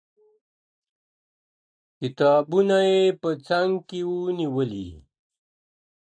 کتابونه یې په څنګ کي وه نیولي.